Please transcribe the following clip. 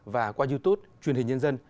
và qua youtube truyền hình nhân dân